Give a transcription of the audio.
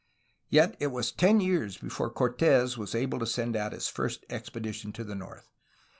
Yet it was ten years before Cortes was able to send out his first expedition to the north.